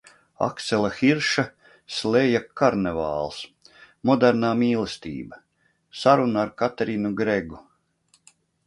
Aksela Hirša sleja Karnevāls; Modernā mīlestība – saruna ar Katerinu Gregu;